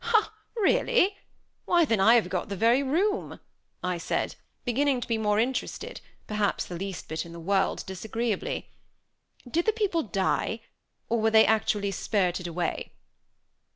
"Ho! Really? Why, then, I have got the very room!" I said, beginning to be more interested perhaps the least bit in the world, disagreeably. "Did the people die, or were they actually spirited away?"